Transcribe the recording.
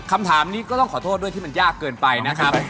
คำถามนี้ก็ต้องขอโทษด้วยที่มันยากเกินไปนะครับ